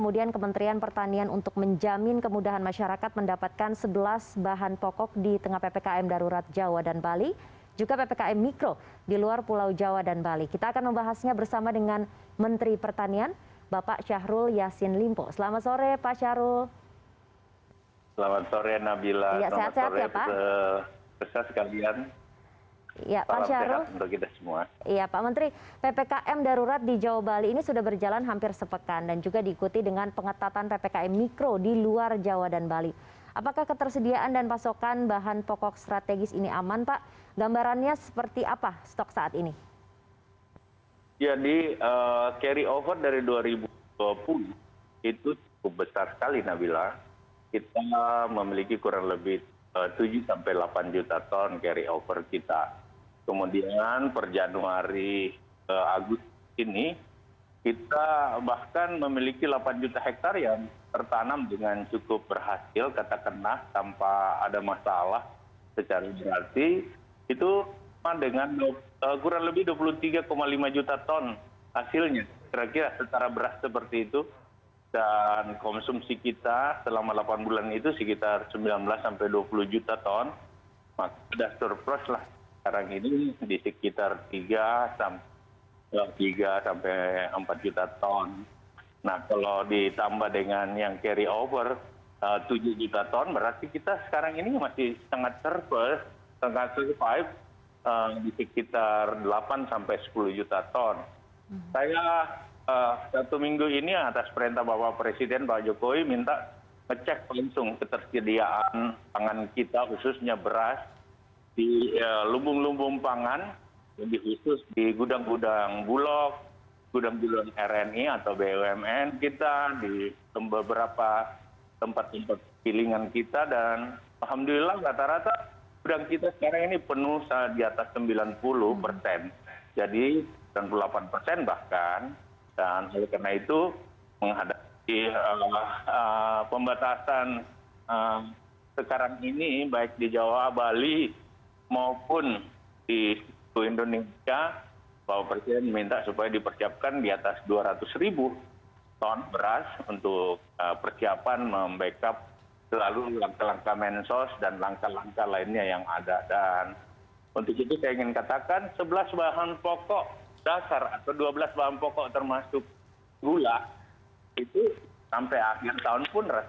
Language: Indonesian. dan terdapat surplus overstock pada januari dua ribu dua puluh sebesar tujuh tiga puluh sembilan juta ton